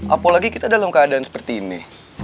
apalagi kita dalam keadaan seperti ini